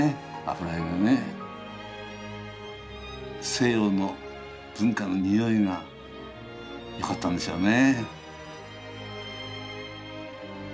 西洋の文化の匂いがよかったんでしょうね。